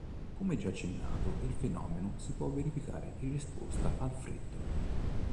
Come già accennato il fenomeno si può verificare in risposta al freddo.